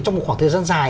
trong khoảng thời gian dài